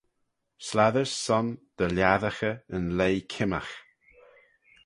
Slattys son dy lhiassaghey yn leigh kimmagh.